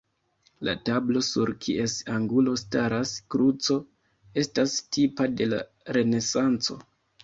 La tablo, sur kies angulo staras kruco, estas tipa de la Renesanco.